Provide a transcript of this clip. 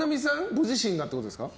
ご自身がってことですか？